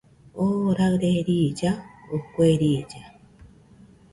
Oo raɨre riilla, o kue riilla